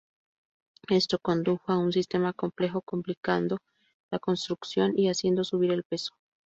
Esto condujo a un sistema complejo, complicando la construcción y haciendo subir el peso.